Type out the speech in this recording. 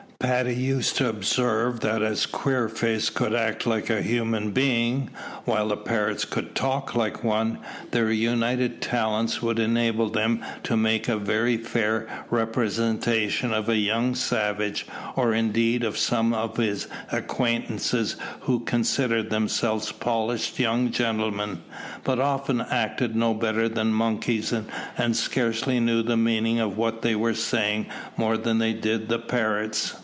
Paddy used to observe that as Queerface could act like a human being, while the parrots could talk like one, their united talents would enable them to make a very fair representation of a young savage; or indeed of some of his acquaintance who considered themselves polished young gentlemen, but often acted no better than monkeys, and scarcely knew the meaning of what they were saying more than did the parrots.